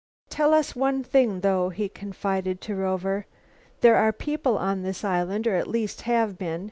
"Tell us one thing though," he confided to Rover; "there are people on this island, or at least have been.